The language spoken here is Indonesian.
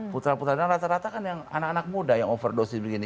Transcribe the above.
putra putranya rata rata kan yang anak anak muda yang overdosis begini